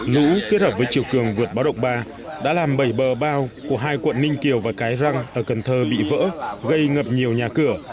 lũ kết hợp với chiều cường vượt báo động ba đã làm bầy bờ bao của hai quận ninh kiều và cái răng ở cần thơ bị vỡ gây ngập nhiều nhà cửa